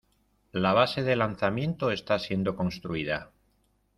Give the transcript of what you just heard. La base de lanzamiento está siendo construida.